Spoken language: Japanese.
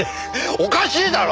おかしいだろ！？